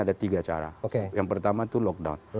ada tiga cara yang pertama itu lockdown